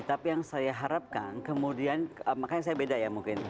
tapi yang saya harapkan kemudian makanya saya beda ya mungkin